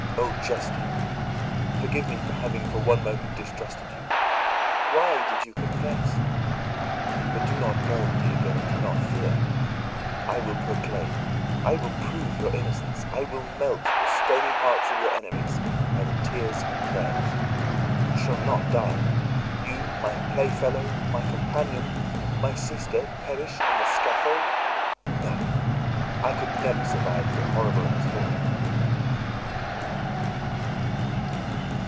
"Oh, Justine! Forgive me for having for one moment distrusted you. Why did you confess? But do not mourn, dear girl. Do not fear. I will proclaim, I will prove your innocence. I will melt the stony hearts of your enemies by my tears and prayers. You shall not die! You, my playfellow, my companion, my sister, perish on the scaffold! No! No! I never could survive so horrible a misfortune."